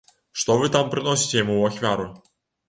Што вы там прыносіце яму ў ахвяру?